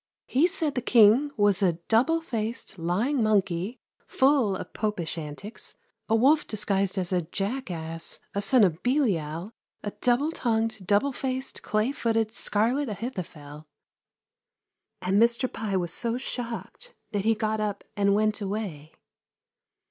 He said the King was a double faced, lying monkey, full of Popish anticks, a wolf disguised as a jackass, a son of Belial, a double tongued, double faced, clay footed, scarlet Ahithophel, and Mr Pye was so shocked that he got up and went away.